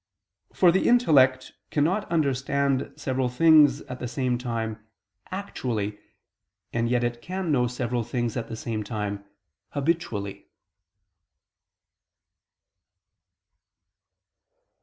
For the intellect cannot understand several things at the same time actually; and yet it can know several things at the same time _habitually.